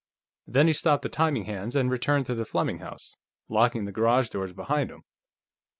Then he stopped the timing hands and returned to the Fleming house, locking the garage doors behind him.